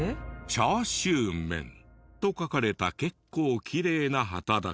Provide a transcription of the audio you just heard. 「チャーシューメン」と書かれた結構きれいな旗だけど。